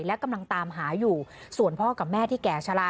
และกำลังตามหาอยู่ส่วนพ่อกับแม่ที่แก่ชะลา